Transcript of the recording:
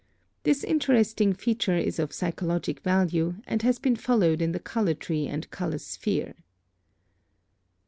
This interesting feature is of psychologic value, and has been followed in the color tree and color sphere.